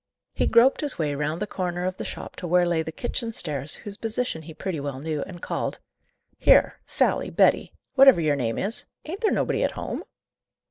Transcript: He groped his way round the corner of the shop to where lay the kitchen stairs, whose position he pretty well knew, and called. "Here, Sally, Betty whatever your name is ain't there nobody at home?"